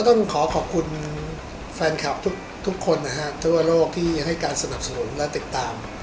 ต้องขอขอบคุณแฟนคลับทุกคนนะฮะทั่วโลกที่ให้การสนับสนุนและติดตาม